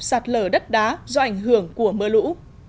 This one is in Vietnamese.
sạt lở đất đá do ảnh hưởng của mưa lũ